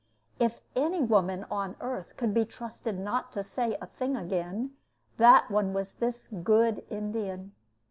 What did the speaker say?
If any woman on earth could be trusted not to say a thing again, that one was this good Indian.